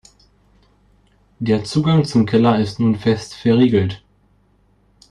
Der Zugang zum Keller ist nun fest verriegelt.